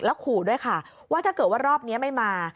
ขู่ด้วยค่ะว่าถ้าเกิดว่ารอบนี้ไม่มา